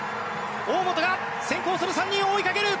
大本が先行する３人を追いかける！